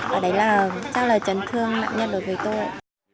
và đấy là trả lời chấn thương nặng nhất đối với tôi